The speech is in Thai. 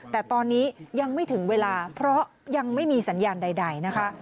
แต่ตอนนี้ยังไม่ถึงเวลาเพราะยังไม่มีสัญญาณใดนะคะ